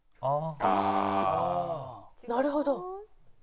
なるほど。